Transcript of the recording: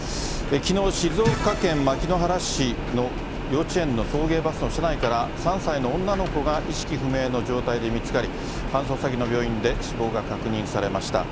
きのう、静岡県牧之原市の幼稚園の送迎バスの車内から３歳の女の子が意識不明の状態で見つかり、搬送先の病院で死亡が確認されました。